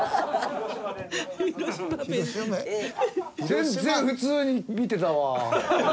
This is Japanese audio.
全然普通に見てたわ。